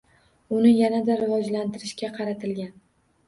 Uni yanada rivojlantirishga qaratilgan.